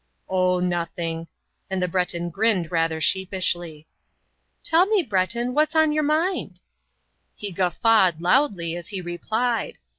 "Oh, nothing," and the Breton grinned rather sheepishly. "Tell me, Breton, what's on your mind?" He "guffawed" loudly as he replied.